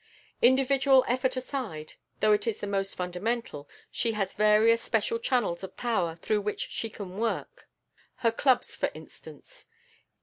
Individual effort aside, though it is the most fundamental, she has various special channels of power through which she can work her clubs, for instance.